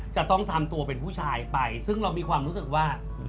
จะต้องทำตัวเป็นผู้ชายไปซึ่งเรามีความรู้สึกว่า